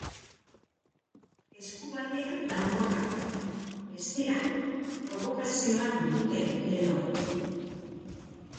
Esku batean danborra, bestean probokazioa dute lelo.